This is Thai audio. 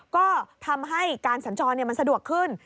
ก็ทำให้การสัญจรมันสะดวกขึ้น